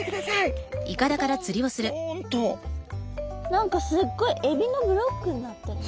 何かすっごいエビのブロックになってる。